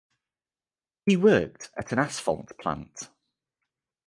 He worked at an asphalt plant.